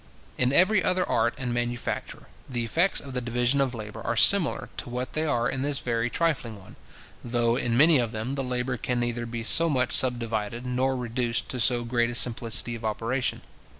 In every other art and manufacture, the effects of the division of labour are similar to what they are in this very trifling one, though, in many of them, the labour can neither be so much subdivided, nor reduced to so great a simplicity of operation.